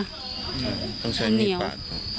ต้องใช้มีดปาก